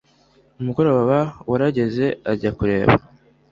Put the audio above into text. umugoroba warageze ajya kureba